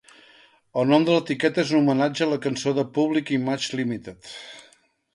El nom de l'etiqueta és un homenatge a la cançó de Public Image Limited.